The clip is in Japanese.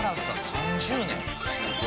３０年。